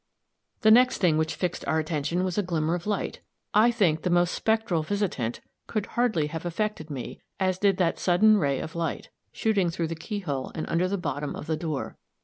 The next thing which fixed our attention was a glimmer of light. I think the most spectral visitant could hardly have affected me as did that sudden ray of light, shooting through the key hole and under the bottom of the door.